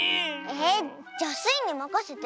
えっじゃスイにまかせて。